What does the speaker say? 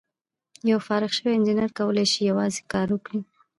یو فارغ شوی انجینر کولای شي یوازې کار وکړي.